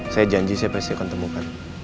saya janji saya pasti akan temukan